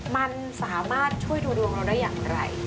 มันสามารถช่วยดูดวงเราได้อย่างไร